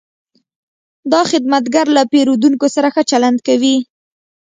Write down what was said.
دا خدمتګر له پیرودونکو سره ښه چلند کوي.